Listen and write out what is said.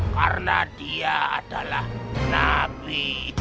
karena dia adalah nabi